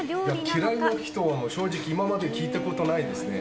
嫌いな人は正直、今まで聞いたことがないですね。